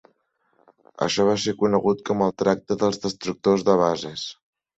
Això va ser conegut com el tracte dels destructors de bases.